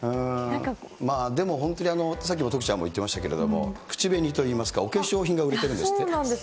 まあでも本当にさっきも徳ちゃんも言ってましたけれども、口紅といいますか、お化粧品が売そうなんですよ。